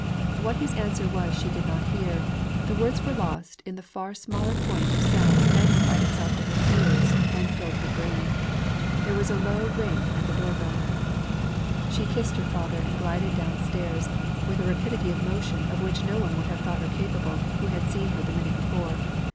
What his answer was she did not hear; the words were lost in the far smaller sound that magnified itself to her fears, and filled her brain. There was a low ring at the door bell. She kissed her father and glided down stairs, with a rapidity of motion of which no one would have thought her capable, who had seen her the minute before.